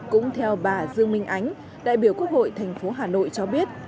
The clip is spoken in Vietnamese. cũng theo bà dương minh ánh đại biểu quốc hội thành phố hà nội cho biết